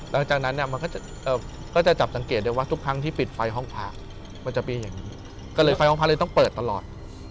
หลังจากนั้นเนี่ยมันก็จะจับสังเกตได้ว่าทุกครั้งที่ปิดไฟห้องพระมันจะมีอย่างนี้ก็เลยไฟห้องพระเลยต้องเปิดตลอด